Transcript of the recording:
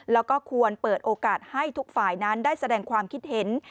แล้วก็ควรเปิดโอกาสให้ทุกฝ่ายนั้นได้แสดงความคิดเห็น